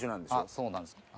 そうなんです。